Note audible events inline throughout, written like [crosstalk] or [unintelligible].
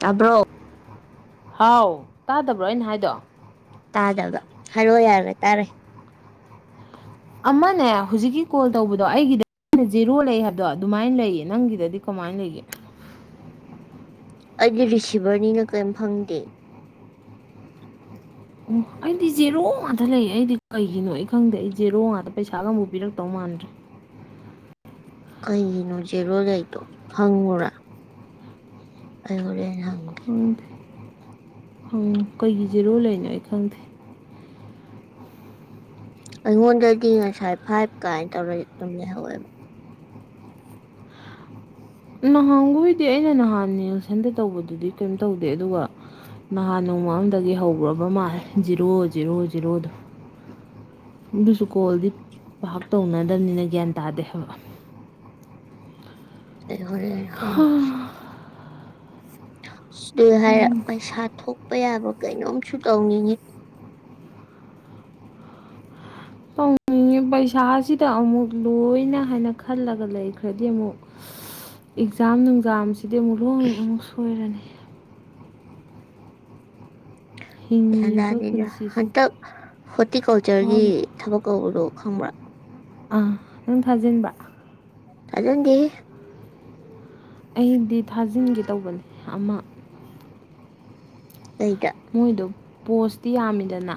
ꯇꯥꯕꯔꯣ ꯍꯥꯎ ꯇꯥꯗꯕ꯭ꯔꯣ ꯑꯩꯅ ꯍꯥꯏꯗꯣ ꯇꯥꯗꯕ ꯍꯥꯏꯔꯣ ꯌꯥꯔꯦ ꯇꯥꯔꯦ ꯑꯃꯅꯦ ꯍꯧꯖꯤꯛꯀꯤ ꯀꯣꯜ ꯇꯧꯕꯗꯣ ꯑꯩꯒꯤꯗꯗꯤ ꯖꯦꯔꯣ ꯂꯩ ꯍꯥꯏꯕꯗꯣ ꯑꯗꯨꯃꯥꯏꯅ ꯂꯩꯌꯦ ꯅꯪꯒꯤꯗꯗꯤ ꯀꯃꯥꯏꯅ ꯂꯩꯒꯦ ꯑꯩꯗꯤ ꯔꯤꯁꯤꯚꯔꯅꯤꯅ ꯀꯔꯤꯝ ꯐꯪꯗꯦ ꯑꯣ ꯑꯩꯗꯤ ꯖꯦꯔꯣ ꯉꯥꯛꯇ ꯂꯩ ꯑꯩꯗꯤ ꯀꯩꯒꯤꯅꯣ ꯑꯩ ꯈꯪꯗꯦ ꯑꯩ ꯖꯦꯔꯣ ꯉꯥꯛꯇ ꯄꯩꯁꯥꯒ ꯑꯃꯐꯥꯎ ꯄꯤꯔꯛꯇꯧ ꯃꯥꯟꯗ꯭ꯔꯦ ꯀꯩꯒꯤꯅꯣ ꯖꯦꯔꯣ ꯂꯩꯗꯣ ꯍꯡꯉꯨꯔ ꯑꯩ ꯍꯣꯔꯦꯜ ꯍꯪ ꯍ ꯍꯡꯉꯨ ꯀꯩꯒꯤ ꯖꯤꯔꯣ ꯂꯩꯅꯣ ꯑꯩ ꯈꯪꯗꯦ ꯑꯩꯉꯣꯟꯗꯗꯤ ꯉꯁꯥꯏ ꯐꯥꯏꯚ ꯀꯥꯏꯅ ꯇꯧꯔ ꯑꯗꯨꯝ ꯂꯩꯍꯧꯋꯦꯕ ꯅꯍꯥꯟꯈꯣꯏꯗꯤ ꯑꯩꯅ ꯅꯍꯥꯟ ꯅꯦꯁꯟꯗ ꯇꯧꯕꯗꯨꯗꯤ ꯀꯔꯤꯝ ꯇꯧꯗꯦ ꯑꯗꯨꯒ ꯅꯍꯥꯟ ꯅꯣꯡꯃ ꯑꯃꯝꯗꯒꯤ ꯍꯧꯈ꯭ꯔꯕ ꯃꯥꯜꯂꯦ ꯖꯤꯔꯣ ꯖꯤꯔꯣ ꯖꯤꯔꯣꯗꯣ ꯑꯗꯨꯁꯨ ꯀꯣꯜꯗꯤ ꯄꯥꯛ ꯇꯧꯅꯗꯕꯅꯤꯅ ꯒ꯭ꯌꯥꯟ ꯇꯥꯗꯦ ꯍꯥꯏꯕ ꯑꯩ ꯍꯣꯔꯦꯟ ꯍꯪꯒꯦ ꯑ ꯁꯤꯗ ꯍꯥꯏꯔ ꯄꯩꯁꯥ ꯊꯣꯛ ꯊꯣꯛꯄ ꯌꯥꯕ ꯀꯩꯅꯣꯝꯁꯨ ꯇꯧꯅꯤꯡꯉꯤ ꯇꯧꯅꯤꯡꯉꯤ ꯄꯩꯁꯥꯁꯤꯗ ꯑꯃꯨꯛ ꯂꯣꯏꯅ ꯍꯥꯏꯅ ꯈꯜꯂꯒ ꯂꯩꯈ꯭ꯔꯗꯤ ꯑꯃꯨꯛ ꯑꯦꯛꯖꯥꯝ ꯅꯨꯡꯖꯥꯝꯁꯤ ꯁꯤꯗꯤ ꯑꯃꯨꯛ ꯂꯣꯏ ꯑꯃꯨꯛ ꯁꯣꯏꯔꯅꯤ ꯒ꯭ꯌꯥꯟ ꯍꯤꯡꯉꯤꯕ ꯇꯥꯗꯦꯗ ꯄꯨꯟꯁꯤꯁꯤ ꯍꯟꯇꯛ ꯍꯣꯔꯇꯤꯀꯜꯆꯔꯒꯤ ꯋꯥꯕ ꯊꯕꯛ ꯀꯧꯕꯗꯣ ꯈꯪꯕ꯭ꯔꯥ ꯑꯥ ꯅꯪ ꯊꯥꯖꯤꯟꯕꯔ ꯊꯥꯖꯟꯗꯦꯍꯦ ꯑꯩꯗꯤ ꯊꯥꯖꯤꯟꯒꯦ ꯇꯧꯕꯅꯦ ꯑꯃ ꯀꯩꯗ ꯃꯣꯏꯗꯣ ꯄꯣꯁꯇꯤ ꯌꯥꯝꯃꯤꯗꯅ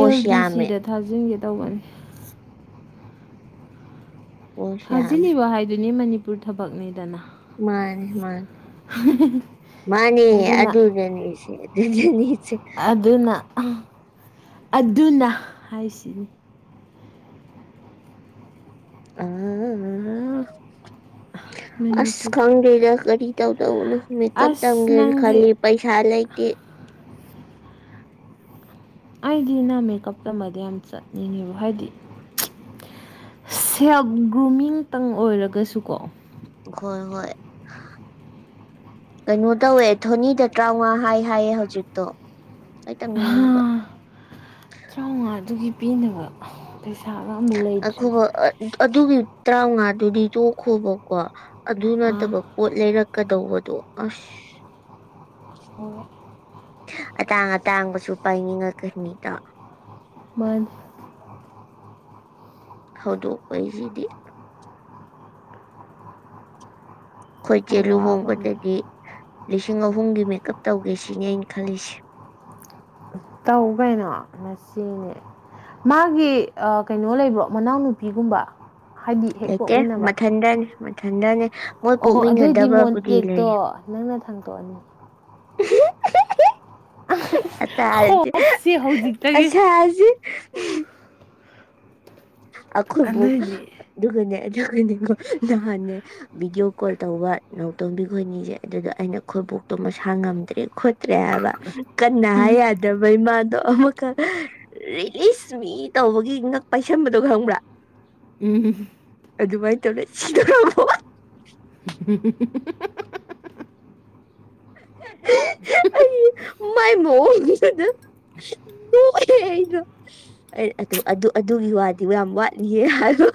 ꯑꯦꯜ ꯗꯤ ꯌꯥꯝꯃꯦ ꯁꯤꯗ ꯊꯥꯖꯤꯟꯒꯦ ꯇꯧꯕꯅꯦ ꯄꯣꯁ ꯌꯥꯝꯃꯦ ꯊꯥꯖꯤꯂꯤꯕ ꯍꯥꯏꯗꯨꯅꯤ ꯅꯤ ꯃꯅꯤꯄꯨꯔ ꯊꯕꯛꯅꯤꯗꯅ ꯃꯥꯅꯦ ꯃꯥꯅꯤ ꯃꯥꯅꯦ ꯑꯗꯨꯅ ꯑꯗꯗꯅꯤꯁ ꯑꯗꯨꯅꯤ ꯑꯗꯨꯅ ꯑꯗꯨꯅ ꯍꯥꯏꯁꯤꯅꯤ ꯑ ꯑꯁ ꯃꯅꯤꯄꯨꯔ ꯈꯪꯗꯦꯔ ꯀꯔꯤ ꯀ ꯇꯎꯅ ꯃꯦꯀꯞ ꯑꯁ ꯇꯝꯒꯦ ꯅꯪꯗꯤ ꯈꯂꯤ ꯄꯩꯁꯥ ꯑꯂ ꯀ ꯑꯩꯗꯤ ꯅ ꯃꯦꯀꯞ ꯇꯃꯗꯤ ꯌꯥꯝ ꯆꯠꯅꯤꯡꯉꯦꯕ ꯍꯥꯏꯗꯤ ꯁꯦꯜꯐ ꯒ꯭ꯔꯨꯃꯤꯡꯇꯪ ꯑꯣꯏꯔꯒꯁꯨꯀꯣ ꯍꯣꯏ ꯍꯣꯏ ꯀꯩꯅꯣ ꯇꯧꯋꯦ ꯊꯣꯅꯤꯗ ꯇꯔꯥꯃꯉꯥ ꯍꯥꯏ ꯍꯥꯏꯌꯦ ꯍꯧꯖꯤꯛꯇꯣ ꯑꯩ ꯇꯝꯅꯤꯡꯉꯦ ꯍꯥꯏꯕ ꯇꯔꯥꯃꯉꯥꯗꯨꯒꯤ ꯄꯤꯅꯕ ꯄꯩꯁꯥꯒ ꯑꯃꯨꯛ ꯂꯩꯇ꯭ꯔꯤꯁꯦ ꯑꯈꯨꯕ ꯑꯗꯨꯒꯤ ꯇꯔꯥꯃꯉꯥꯗꯨꯗꯤ ꯇꯣꯛꯈꯣꯕꯀꯣ ꯑꯗꯨ ꯑꯥ ꯅꯠꯇꯕ ꯄꯣꯠ ꯂꯩꯔꯛꯀꯗꯧꯕ ꯑꯗꯨꯣ ꯑꯁ ꯍꯣꯏ ꯑꯇꯥꯡ ꯑꯇꯥꯡꯕꯁꯨ ꯄꯥꯏꯅꯤꯡꯉꯛꯀꯅꯤꯗꯣ ꯍꯟ ꯍꯗꯣꯛ ꯑꯩꯩꯁꯤꯗꯤ ꯑꯩꯈꯣꯏ ꯆꯦꯜ ꯑꯋꯥꯕ ꯑꯃ ꯂꯨꯍꯣꯡꯕꯗꯗꯤ ꯂꯤꯁꯤꯡ ꯑꯍꯨꯝꯒꯤ ꯃꯦꯀꯞ ꯇꯧꯒꯦ ꯁꯤꯅꯦ ꯑꯩꯅ ꯈꯜꯂꯤꯁꯦ ꯇꯧ ꯀꯩꯅꯣ ꯃꯁꯤꯅꯦ ꯃꯥꯒꯤ ꯀꯩꯅꯣ ꯂꯩꯕ꯭ꯔꯣ ꯃꯅꯥꯎꯅꯨꯄꯤꯒꯨꯝꯕ ꯍꯥꯏꯗꯤ ꯍꯦꯛ ꯂꯩꯇꯦ ꯄꯣꯛꯃꯤꯟꯅꯕ ꯃꯊꯟꯗꯅꯤ ꯊ ꯑꯣꯍꯣ ꯑꯗꯨꯑꯣꯏꯗꯤ ꯃꯣꯟꯇꯦꯛꯇꯣ ꯅꯪꯅ ꯁꯥꯡꯗꯣꯛꯑꯅꯤ ꯎ ꯑ ꯍꯥꯏ ꯍꯣꯞꯁꯦ ꯍꯧꯖꯤꯛꯇꯒꯤ ꯑꯁ ꯍꯥꯏꯁꯤ ꯑꯈꯣꯏꯕꯨ ꯑꯗꯨꯏꯗꯤ ꯑꯗꯨꯒꯒꯅꯦ ꯣ ꯅꯍꯥꯟꯅꯦ ꯚꯤꯗꯤꯑꯣ ꯀꯣꯜ ꯇꯧꯕ ꯅ ꯇꯧꯕꯤ ꯈꯣꯠꯕꯤꯁꯦ ꯑꯗꯨꯗꯣ ꯑꯩꯅ ꯈꯣꯏꯕꯣꯛꯇꯣ ꯃꯁꯥ ꯉꯝꯗ꯭ꯔꯦ ꯈꯣꯠꯇ꯭ꯔꯦ ꯍꯥꯏꯕ ꯀꯟꯅ ꯍꯥꯏ ꯎꯝ ꯌꯥꯗꯕ ꯏꯃꯗꯣ ꯑꯃ ꯔꯤꯁ ꯃꯤ ꯇꯧꯕꯒꯤ ꯉꯛ ꯄꯥꯏꯁꯕ ꯑꯗꯨꯒ ꯈꯪꯕ꯭ꯔꯥ ꯎꯝ ꯗꯨꯕꯥꯏ ꯆ ꯂꯩ ꯁꯤꯗꯕ ꯎ ꯑꯩ ꯃꯥꯏ ꯃꯑꯣꯡꯗꯨ ꯅꯣꯛꯑꯦ ꯑꯩꯅꯣ ꯑꯗꯨ ꯑꯗꯨꯒꯤ ꯋꯥꯗꯤ ꯌꯥꯝ ꯋꯥꯠꯂꯤꯌꯦ ꯍꯥꯏꯕ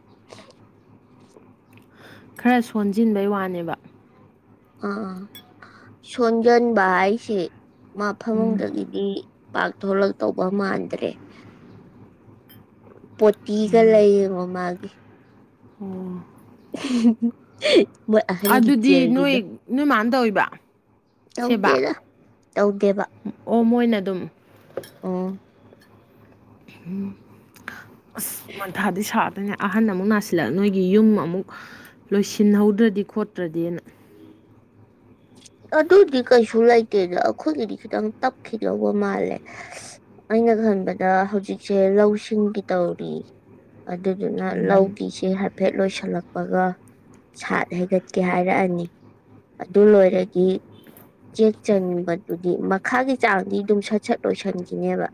[inaudible] ꯈꯔ ꯁꯣꯟꯁꯤꯟꯕꯩ ꯋꯥꯅꯦꯕ ꯑꯥ ꯁꯣꯟꯖꯟꯕ ꯍꯥꯏꯁꯦ ꯃꯐꯝꯗꯒꯤꯗꯤ ꯄꯥꯛꯊꯂꯛꯛꯇꯧꯕ ꯃꯥꯟꯗ꯭ꯔꯦ ꯄꯣꯇꯤꯒ ꯂꯩꯌꯦ ꯃꯣ ꯃꯥꯒꯤ ꯎꯝ [inaudible] ꯑꯗꯨꯗꯤ ꯅꯣꯏ ꯆꯦꯔꯒꯤꯗꯣ ꯅꯣꯏ ꯃꯥꯅ ꯇꯧꯕ ꯁꯦꯕꯥ ꯇꯧꯒꯦꯕ ꯑꯣ ꯃꯣꯏꯅ ꯑꯗꯨꯝ ꯎꯝ ꯎꯝ ꯃꯟꯊꯥꯗꯤ ꯁꯥꯗꯣꯏꯅꯦ ꯑꯍꯟ ꯑꯃꯨꯛ ꯅꯥꯁꯤꯜꯂꯛ ꯅꯣꯏꯒꯤ ꯌꯨꯝ ꯑꯃꯨꯛ ꯂꯣꯏꯁꯤꯟꯍꯧꯗ꯭ꯔꯗꯤ ꯈꯣꯠꯇ꯭ꯔꯗꯤꯅ ꯑꯗꯨꯗꯤ ꯀꯩꯁꯨ ꯂꯩꯇꯦꯗ ꯑꯩꯈꯣꯏꯒꯤꯗꯤ ꯈꯤꯇꯪ ꯇꯞꯈꯤꯗꯧꯕ ꯃꯥꯜꯂꯦ ꯑꯩꯅ ꯈꯟꯕꯗ ꯍꯧꯖꯤꯛꯁꯦ ꯂꯧꯁꯤꯡꯒꯤ ꯇꯧꯔꯤ ꯑꯗꯨꯗꯨꯅ ꯂꯧꯒꯤꯁꯦ ꯍꯥꯏꯐꯦꯠ ꯂꯣꯏꯁꯜꯂꯛꯄꯒ ꯁꯥꯠ ꯍꯩꯒꯠꯀꯦ ꯍꯥꯏꯔꯛꯑꯅꯤ ꯑꯗꯨ ꯂꯣꯏꯔ ꯆꯦꯛ ꯆꯟꯕꯗꯨꯗꯤ ꯃꯈꯥꯒꯤ ꯆꯥꯡꯗꯤ ꯑꯗꯨꯝ ꯁꯠ ꯁꯠ ꯂꯣꯏꯁꯤꯟꯈꯤꯅꯦꯕ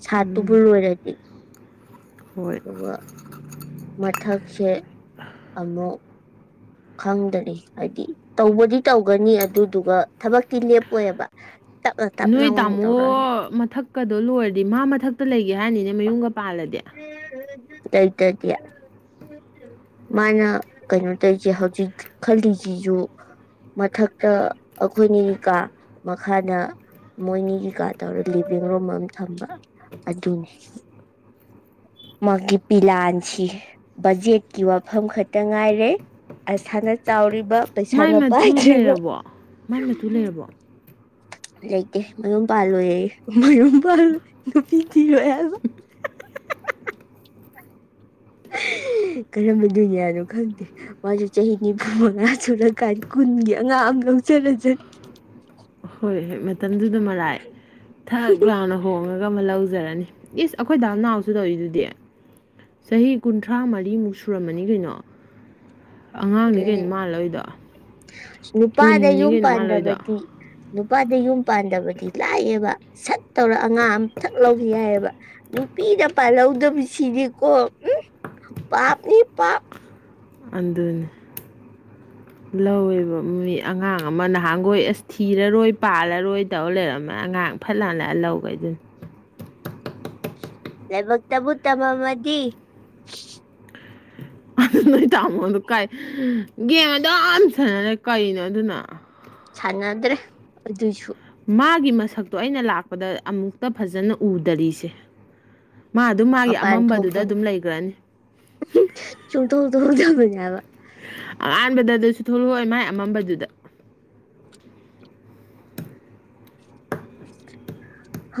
ꯁꯥꯠꯇꯨꯕꯨ ꯎꯝ ꯂꯣꯏꯔꯗꯤ ꯍꯣꯏ ꯑꯗꯨꯒ ꯃꯊꯛꯁꯦ ꯑꯃꯨꯛ ꯈꯪꯗꯔꯤ ꯍꯥꯏꯗꯤ ꯇꯧꯕꯗꯤ ꯇꯧꯒꯅꯤ ꯑꯗꯨꯗꯨꯒ ꯊꯕꯛꯇꯤ ꯂꯦꯞꯄꯣꯏꯑꯕ ꯇꯞꯅ ꯇꯞꯅ ꯅꯣꯏ ꯑꯣꯏꯅ ꯇꯥꯃꯣ ꯇꯧꯔꯛꯑꯅꯤ ꯃꯊꯛꯀꯗꯣ ꯂꯣꯏꯔꯗꯤ ꯃꯥ ꯃꯊꯛꯇ ꯂꯩꯒꯦ ꯍꯥꯏꯔꯅꯤꯅꯦ ꯃꯌꯨꯝꯒ ꯄꯥꯜꯂꯗꯤ ꯂꯩꯇꯗꯤ ꯃꯥꯅ ꯀꯩꯅꯣ ꯇꯧꯔꯤꯁꯦ ꯍꯧꯖꯤꯛ ꯈꯜꯂꯤꯁꯤꯁꯨ ꯃꯊꯛ ꯑꯩꯈꯣꯏꯅꯤꯒꯤꯀꯥ ꯃꯈꯥꯗ ꯃꯣꯏꯅꯤ ꯀꯀꯥ ꯇꯧꯔ ꯂꯤꯚꯡ ꯔꯨꯝ ꯑꯃ ꯊꯝꯕ ꯑꯗꯨꯅꯤ ꯃꯥꯒꯤ ꯄꯤꯂꯥꯟꯁꯤ ꯕꯖꯦꯠꯀꯤ ꯋꯥꯐꯝ ꯈꯛꯇ ꯉꯥꯏꯔꯦ ꯑꯁꯥꯅ ꯆꯥꯎꯔꯤꯕ ꯄꯩꯁꯥ ꯃꯥꯏ ꯅ ꯃꯇꯨ ꯄꯥꯏꯖꯦ ꯂꯩꯔꯕꯣ ꯃꯥꯏ ꯃꯇꯨ ꯂꯩꯔꯕꯣ ꯂꯩꯇꯦ ꯃꯌꯨꯝ ꯄꯥꯜꯂꯣꯏꯌꯦ ꯃꯌꯨꯝ ꯄꯥꯜꯂ ꯅꯨꯄꯤ ꯊꯤꯔꯣꯏ ꯑꯗ ꯀꯔꯝꯕ ꯗꯨꯅꯤꯌꯥꯅꯣ ꯈꯪꯗꯦ ꯃꯥꯁꯦ ꯆꯍꯤ ꯅꯤꯐꯨ ꯃꯉꯥ ꯁꯨꯔꯀꯔꯤ ꯀꯨꯟꯒꯤ ꯑꯉꯥꯡ ꯑꯃ ꯂꯧꯖꯔꯁ ꯍꯣꯏ ꯍꯣꯏ ꯃꯇꯝꯗꯨꯗ ꯃꯔꯥꯏ ꯊꯛ ꯂꯥꯎꯅ ꯍꯣꯡꯉꯒ ꯑꯃ ꯂꯧꯖꯔꯅꯤ ꯌꯦꯁ ꯑꯩꯈꯣꯏ ꯗꯥ ꯅꯅꯥꯎꯁꯨ ꯇꯧꯔꯤꯗꯨꯗꯤ ꯆꯍꯤ ꯀꯨꯟꯊ꯭ꯔꯥ ꯃꯔꯤꯃꯨꯛ ꯁꯨꯔꯝꯃꯅꯤ ꯀꯩꯅꯣ ꯑꯉꯥꯡꯅꯤ ꯑꯗꯨꯅꯦ ꯀꯩꯅꯣ ꯃꯥꯜꯂꯣꯏꯗ ꯅꯨꯄꯥꯗ ꯀꯨꯟꯅꯤ ꯌꯨꯝ ꯀꯩꯅꯣ ꯃꯥꯜꯂꯣꯏꯗ ꯄꯥꯟꯗꯕꯗꯤ ꯅꯨꯄꯥꯗ ꯌꯨꯝ ꯄꯥꯟꯗꯕꯗꯤ ꯂꯥꯛꯑꯕ ꯁꯠ ꯇꯧꯔ ꯑꯉꯥꯡ ꯑꯝ ꯊꯛ ꯂꯧꯈꯤ ꯌꯥꯏꯑꯕ ꯅꯨꯄꯤꯅ ꯄꯥꯜꯍꯧꯗꯕꯁꯤꯗꯤꯀꯣ ꯎ ꯄꯥꯞꯅꯤ ꯄꯥꯞ ꯑꯗꯨꯅꯤ ꯂꯧꯋꯦꯕ ꯃꯤ ꯑꯉꯥꯡ ꯑꯃ ꯅꯍꯥꯟꯈꯣꯏ ꯑꯁ ꯊꯤꯔꯔꯣꯏ ꯄꯥꯜꯂꯔꯣꯏ ꯇꯧꯔ ꯂꯩꯔꯝꯃꯅꯤ ꯑꯉꯥꯡ ꯐꯠꯅ ꯍꯜꯂꯑ ꯂꯧꯒꯦ ꯑꯗꯨꯅꯤ ꯂꯥꯏꯕꯛꯇꯕꯨ ꯇꯃꯗꯤ ꯑ ꯅꯣ ꯏ ꯇꯥꯃꯣ ꯑꯗꯨꯗꯨ ꯀꯥꯏ ꯦꯃꯗꯝꯁ [unintelligible] ꯀꯩꯅꯣ ꯑꯗꯨꯅ ꯆꯥꯟꯗ꯭ꯔꯦ ꯑꯗꯨ ꯑꯗꯨꯁꯨ ꯃꯥꯒꯤ ꯃꯁꯛꯇꯣ ꯑꯩꯅ ꯂꯥꯛꯄꯗ ꯑꯃꯨꯛꯇ ꯐꯖꯅ ꯎꯗꯔꯤꯁꯦ ꯃꯥ ꯑꯗꯨꯝ ꯑ ꯃꯥꯒꯤ ꯄꯥꯏꯅ ꯑꯃꯝꯕꯗꯨꯗ ꯊꯣꯛꯣꯛꯗꯅꯤ ꯑꯗꯨꯝ ꯂꯩꯈ꯭ꯔꯅꯤ ꯆꯨꯝꯗꯗꯗ ꯃꯖꯥꯕ ꯑꯍꯥꯟꯕꯗ ꯑꯗꯨꯁꯨ ꯊꯣꯛꯂꯛꯑꯣꯏ ꯃꯥꯏ ꯑꯃꯝꯕꯗꯨꯗ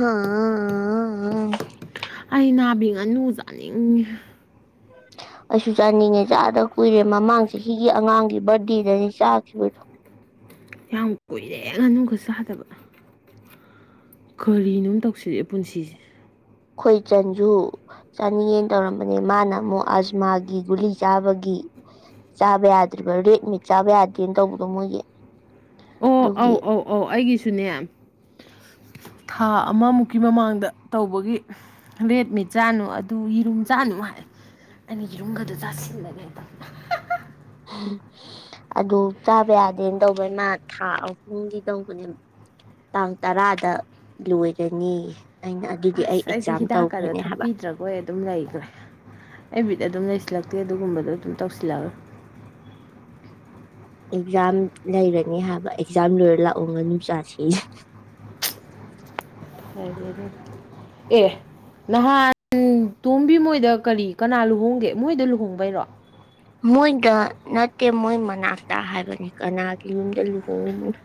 ꯑꯥ ꯑꯩ ꯅꯥꯕꯤ ꯉꯥꯅꯨ ꯆꯥꯅꯤꯡꯉꯤ ꯑꯩꯁꯨ ꯆꯥꯅꯤꯡꯉꯦ ꯆꯥꯗ ꯀꯨꯏꯔꯦ ꯃꯃꯥꯡ ꯆꯍꯤꯒꯤ ꯑꯉꯥꯡꯒꯤ ꯕꯥꯔꯗꯦꯗꯅꯤ ꯆꯥꯈꯤꯕꯗꯣ ꯌꯥꯝ ꯀꯨꯏꯔꯦ ꯉꯥꯅꯨꯒ ꯆꯥꯗꯕ ꯀꯔꯤꯅꯣꯝ ꯇꯧꯁꯤꯜ ꯂꯛ ꯑꯦ ꯄꯨꯟꯁꯤꯁꯦ ꯑꯩꯣꯏ ꯆꯟꯁꯨ ꯆꯥꯅꯤꯉꯦꯅ ꯇꯧꯔꯝꯕꯅꯦ ꯃꯥꯅ ꯑꯃꯨꯛ ꯑꯁꯃꯥꯒꯤ ꯒꯨꯂꯤ ꯆꯥꯕꯒꯤ ꯆꯥꯕ ꯌꯥꯗ꯭ꯔꯤꯕ ꯔꯦꯗ ꯃꯤꯛ ꯆꯥꯕ ꯌꯥꯗꯦꯅ ꯇꯧꯕꯗꯣ ꯃꯣꯏꯒꯤ ꯑꯣ ꯑꯗꯨꯒꯤ ꯑꯧ ꯑꯧ ꯑꯧ ꯑꯩꯒꯤꯁꯨꯅꯦ ꯊꯥ ꯑꯃꯃꯨꯛꯀꯤ ꯃꯃꯥꯡꯗ ꯇꯧꯕꯒꯤ ꯔꯦꯠ ꯃꯤꯠ ꯆꯥꯅꯨ ꯇꯨ ꯌꯦꯔꯨꯝ ꯆꯥꯅꯨ ꯍꯥꯏ ꯑꯩꯅ ꯌꯦꯔꯨꯝꯒꯗꯣ ꯆꯥꯁꯤꯜꯂ ꯂꯩꯕ ꯑꯗꯨ ꯆꯥꯕ ꯌꯥꯗꯦꯅ ꯇꯧꯕꯩ ꯃꯥ ꯊꯥ ꯑꯍꯨꯝꯒꯤ ꯇꯧꯕꯅꯤ ꯇꯥꯡ ꯇꯔꯥꯗ ꯂꯣꯏꯔꯅꯤꯌꯦ ꯑꯁ ꯑꯩꯗꯤ ꯍꯤꯗꯥꯛꯀꯗꯣ ꯍꯥꯏꯕ ꯊꯛꯄꯤꯗ꯭ꯔꯒꯣꯏ ꯑꯗꯨꯝ ꯂꯩꯈ꯭ꯔꯦ ꯑꯩ ꯕꯤꯠ ꯑꯗꯨꯝ ꯂꯩꯁꯤ ꯁꯤꯜꯂꯛꯇꯦ ꯑꯗꯨꯒꯨꯝꯕꯗꯣ ꯑꯗꯨꯝ ꯇꯧꯁꯤꯜꯂꯛꯒ ꯑꯦꯛꯖꯥꯝ ꯂꯩꯔꯅꯤ ꯍꯥꯏꯕ ꯑꯦꯛꯖꯥꯝ ꯂꯣꯏꯔ ꯂꯥꯛꯑꯣ ꯉꯥꯅꯨꯨ ꯆꯥꯁꯤ ꯑꯦ ꯅꯍꯥꯟ ꯇꯣꯝꯕꯤ ꯃꯣꯏꯗ ꯀꯔꯤ ꯀꯅꯥ ꯂꯨꯍꯣꯡꯒꯦ ꯃꯣꯏꯗ ꯂꯨꯍꯣꯡꯕꯩꯔꯣ ꯃꯣꯏꯗ ꯅꯠꯇꯦ ꯃꯣꯏ ꯃꯅꯥꯛꯇ ꯍꯥꯏꯕꯅꯤ ꯀꯅꯥꯒꯤ ꯌꯨꯝꯗ ꯂꯨꯍꯣꯡꯉꯤꯝꯅꯣ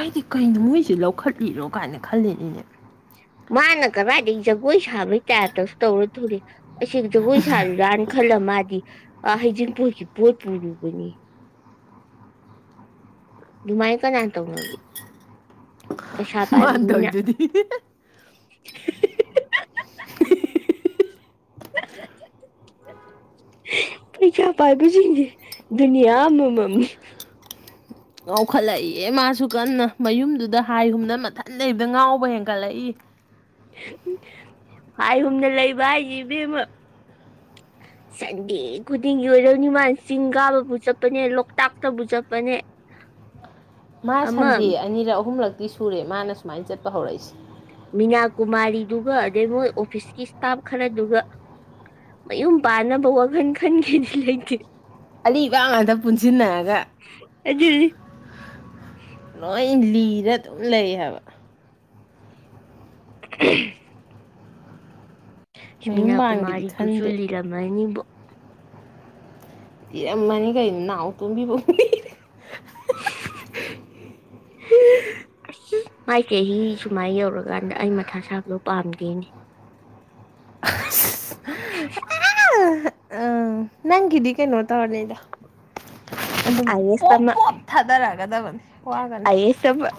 ꯑꯩꯗꯤ ꯀꯩꯅꯣ ꯃꯣꯏꯁꯦ ꯂꯧꯈꯠꯂꯤꯔꯣ ꯀꯥꯏꯅ ꯈꯜꯂꯦꯅꯤꯅꯦ ꯃꯥꯅ ꯀꯔꯥꯏꯗꯩꯩ ꯖꯒꯣꯏ ꯁꯥꯕꯩ ꯇꯥꯏꯞꯇꯁꯨ ꯇꯧꯔ ꯊꯣꯛꯂꯛ ꯑꯦ ꯑꯁꯤꯗ ꯖꯒꯣꯏ ꯁꯥꯔꯤꯔꯥꯅ ꯈꯜꯂ ꯃꯥꯗꯤ ꯑ ꯍꯩꯖꯤꯡꯄꯣꯏꯒꯤ ꯄꯣꯠ ꯄꯨꯔꯨꯕꯅꯤ ꯗꯨꯃꯥꯏ ꯀꯅꯥ ꯇꯧꯅꯒꯦ ꯄꯩꯁꯥ ꯄꯥꯏꯕ ꯃꯥꯥꯟꯅ ꯃꯤꯅ ꯇꯧꯋꯤꯗꯨꯗꯤ ꯄꯩꯁꯥ ꯄꯥꯏꯕꯁꯤꯡꯁꯦ ꯗꯨꯅꯤꯌꯥ ꯑꯃꯃꯝꯅꯤ ꯉꯥꯎꯈꯠꯂꯛꯏꯌꯦ ꯃꯥꯁꯨ ꯀꯟꯅ ꯃꯌꯨꯝꯗꯨꯗ ꯍꯥꯏꯍꯨꯝꯅ ꯃꯊꯟ ꯂꯩꯕꯗ ꯉꯥꯎꯕ ꯍꯦꯟꯒꯠꯂꯛꯏ ꯍꯥꯏ ꯍꯨꯝꯅ ꯂꯩꯕ ꯍꯥꯏꯁꯦ ꯏꯕꯦꯝꯃ ꯁꯟꯗꯦ ꯈꯨꯗꯤꯡꯒꯤ ꯑꯣꯏꯔꯅꯤꯃꯥꯟ ꯆꯤꯡ ꯀꯥꯕꯕꯨ ꯆꯠꯄꯅꯦ ꯂꯣꯛꯇꯥꯛꯇꯕꯨ ꯆꯠꯄꯅꯦ ꯃꯥ ꯑꯃ ꯁꯟꯗꯦ ꯑꯅꯤꯔꯛ ꯑꯍꯨꯝꯂꯛꯇꯤ ꯁꯨꯔꯦ ꯃꯥꯅ ꯃꯥꯏꯟ ꯁꯦꯠꯄ ꯍꯧꯔꯛꯏꯦ ꯃꯤꯅꯥꯀꯨꯃꯥꯔꯤꯗꯨꯒ ꯑꯗꯩ ꯃꯣꯏ ꯑꯣꯐꯤꯁꯀꯤ ꯁ꯭ꯇꯥꯐ ꯈꯔꯗꯨꯒ ꯃꯌꯨꯝ ꯄꯥꯟꯅꯕ ꯋꯥꯈꯜ ꯈꯟꯒꯦꯗꯤ ꯂꯩꯇꯦ ꯑꯂꯤꯕ ꯉꯥꯛꯇ ꯄꯨꯟꯁꯤꯟꯅꯔꯒ ꯑꯗꯨꯅꯤ ꯅꯣꯏ ꯂꯤꯔ ꯑꯗꯨꯝ ꯂꯩ ꯍꯥꯏꯕ [unintelligible] ꯃꯌꯨꯝꯕꯥꯟꯒꯤꯗꯤ ꯁꯨꯃꯤꯅꯥꯀꯨꯃꯔꯤꯗꯨꯁꯨ ꯈꯟꯗꯦ ꯂꯤꯔꯝ ꯃꯅꯤꯕꯣ ꯌꯥꯝ ꯃꯥꯟꯅꯩ ꯀꯩꯅꯣ ꯅꯥꯎꯇꯣꯝꯕꯤꯕꯨ ꯃꯥꯏ ꯆꯍꯤ ꯁꯨꯃꯥꯏ ꯌꯧꯔꯀꯥꯟꯗ ꯑꯩ ꯃꯊꯥ ꯁꯥꯕꯗꯣ ꯄꯥꯝꯗꯦꯅꯦ [unintelligible] ꯑꯪ ꯅꯪꯒꯤꯗꯤ ꯀꯩꯅꯣ ꯇꯧꯔꯅꯤꯗ ꯑꯗꯨꯝ ꯑꯥꯏ ꯑꯦꯁ ꯄꯣꯞ ꯑꯃ ꯄꯣꯞ ꯊꯥꯗꯔꯛꯒꯗꯕꯅꯤ ꯋꯥꯒꯅꯨ ꯑꯥꯏ ꯑꯦꯁ ꯑꯃ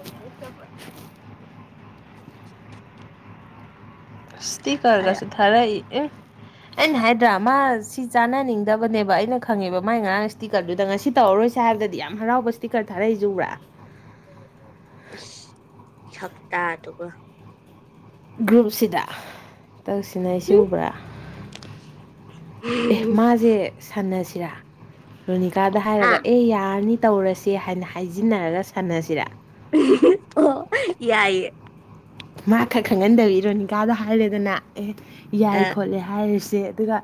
ꯏꯁꯇ ꯀꯔꯒꯁꯨꯦ ꯊꯔ ꯑꯦ ꯑꯩꯅ ꯍꯥꯏꯗ꯭ꯔꯥ ꯃꯥ ꯁꯤ ꯆꯥꯅꯅꯤꯡꯗꯕꯅꯦꯕ ꯑꯩꯅ ꯈꯪꯉꯦꯕ ꯃꯥꯏ ꯉꯔꯥꯡ ꯁ꯭ꯇꯤꯀꯔꯗꯨꯗ ꯉꯁꯤ ꯇꯧꯔꯔꯣꯏꯁꯦ ꯍꯥꯏꯕꯗꯗꯤ ꯌꯥꯝ ꯍꯔꯥꯎꯕ ꯁ꯭ꯇꯤꯀꯔ ꯊꯥꯔꯛꯏꯁꯦ ꯎꯕ꯭ꯔꯥ [unintelligible] ꯁꯛꯇꯥ ꯗꯨꯒ ꯒ꯭ꯔꯨꯞꯁꯤꯗ ꯇꯧꯁꯤꯟꯅꯔꯤꯁꯦ ꯎꯕ꯭ꯔꯥ ꯑꯦ ꯃꯥꯖꯦ ꯁꯥꯟꯅꯁꯤ ꯁꯤꯔꯥ ꯔꯣꯅꯤꯀꯥꯗ ꯍꯥ ꯍꯥꯏꯔꯒ ꯑꯦ ꯌꯥꯔꯅꯤ ꯇꯧꯔꯁꯦ ꯍꯥꯏꯅ ꯍꯥꯏꯖꯤꯟꯅꯔꯒ ꯁꯥꯟꯅꯁꯤꯔꯥ ꯑ ꯍꯨꯝ ꯍꯨꯝ ꯑꯣ ꯌꯥꯏꯌꯦ ꯃꯥ ꯈꯛ ꯈꯪꯍꯟꯗꯕꯤ ꯔꯣꯅꯤꯀꯥꯗ ꯍꯥꯏꯔꯦꯗꯅ ꯑꯦ ꯌꯥꯏ ꯑ ꯈꯣꯠꯂꯦ ꯍꯥꯏꯔꯤꯁ ꯆꯦ ꯑꯗꯨꯒ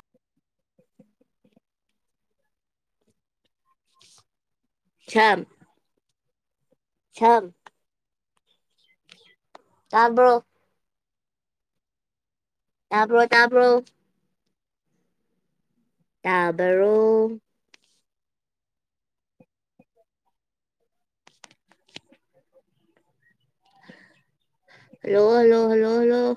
ꯁꯝ ꯁꯝ ꯇꯥꯕ꯭ꯔꯣ ꯇꯥꯕ꯭ꯔꯣ ꯇꯥꯕ꯭ꯔꯣ ꯇꯥꯕꯔꯣ ꯍꯜꯂꯣ ꯍꯜꯂꯣ ꯍꯜꯂꯣ ꯍꯜꯂꯣ